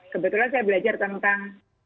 kebetulan saya belajar tentang